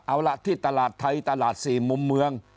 เอาล่ะที่ตลาดไทยตลาด๔มุมเมือง